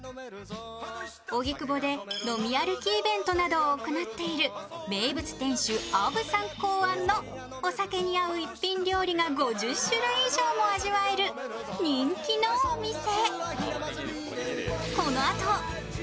荻窪で飲み歩きイベントなどを行っている名物店主あぶさん考案のお酒に合う一品料理が５０品以上も味わえる人気のお店。